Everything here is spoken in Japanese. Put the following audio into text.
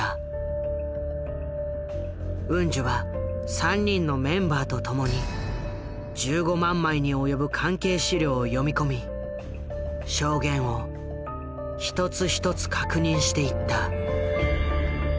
ウンジュは３人のメンバーとともに１５万枚に及ぶ関係資料を読み込み証言を一つ一つ確認していった。